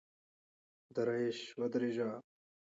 درایش ودرېږه !!